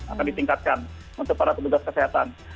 akan ditingkatkan untuk para petugas kesehatan